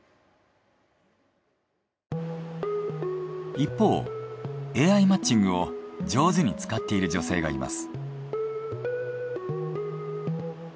一方ＡＩマッチングを上手に使っている女性がいます。